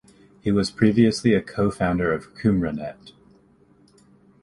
He was previously a co-founder of Qumranet.